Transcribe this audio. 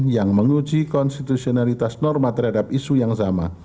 yang menguji konstitusionalitas norma terhadap isu yang sama